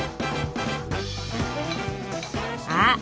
あ！